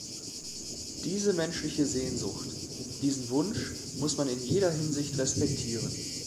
Diese menschliche Sehnsucht, diesen Wunsch muss man in jeder Hinsicht respektieren.